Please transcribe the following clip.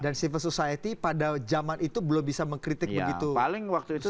dan civil society pada zaman itu belum bisa mengkritik begitu